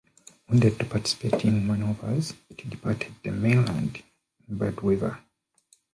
Ordered to participate in manoeuvers, it departed the mainland in bad weather.